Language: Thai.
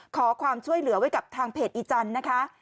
ขอความช่วยเหลือไว้กับทางเพจอีจันทร์นะคะ